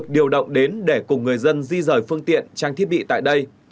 đến để cùng người dân di rời phương tiện trang thiết bị tại đây